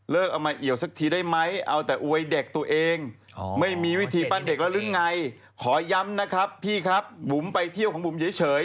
เลิกเอามาเอียวซักทีได้ไหม